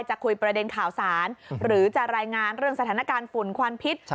จะคุยประเด็นข่าวสารหรือจะรายงานเรื่องสถานการณ์ฝุ่นควันพิษ